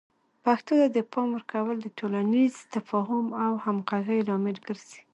پښتو ته د پام ورکول د ټولنیز تفاهم او همغږۍ لامل ګرځي.